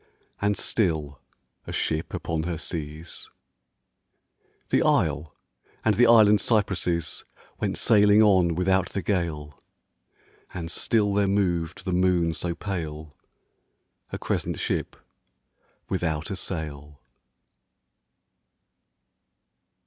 And still, a ship upon her seas. The isle and the island cypresses Went sailing on without the gale : And still there moved the moon so pale, A crescent ship without a sail